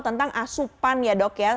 tentang asupan ya dok ya